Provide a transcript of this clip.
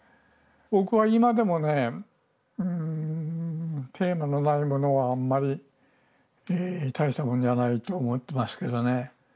僕は今でもねテーマのないものはあんまり大したもんじゃないと思ってますけどね。